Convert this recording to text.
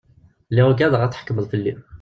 Lliɣ ugadeɣ ad tḥekkmeḍ fell-i!